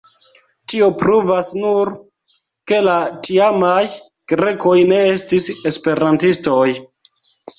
Tio pruvas nur, ke la tiamaj Grekoj ne estis Esperantistoj.